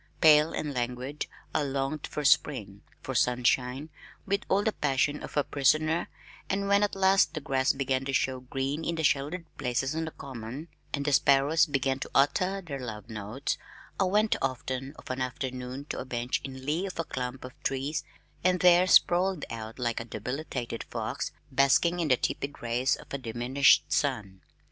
Pale and languid I longed for spring, for sunshine, with all the passion of a prisoner, and when at last the grass began to show green in the sheltered places on the Common and the sparrows began to utter their love notes, I went often of an afternoon to a bench in lee of a clump of trees and there sprawled out like a debilitated fox, basking in the tepid rays of a diminished sun.